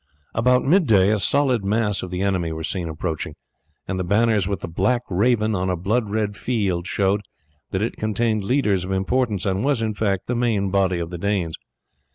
About mid day a solid mass of the enemy were seen approaching, and the banners with the Black Raven on a blood red field showed that it contained leaders of importance, and was, in fact, the main body of the Danes.